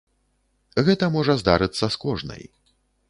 Гэта можа здарыцца з кожнай.